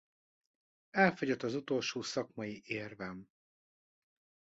Elfogyott az utolsó szakmai érvem.